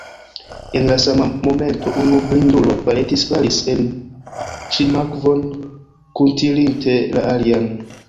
En la sama momento unu blindulo faletis, falis en ŝlimakvon, kuntirinte la alian.